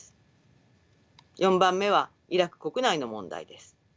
４番目はイラク国内の問題です。